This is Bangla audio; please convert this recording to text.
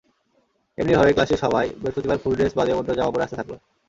এমনি ভাবে ক্লাসে সবাই বৃহস্পতিবার স্কুলড্রেস বাদে অন্য জামা পরে আসতে থাকল।